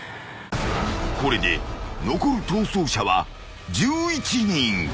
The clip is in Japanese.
［これで残る逃走者は１１人］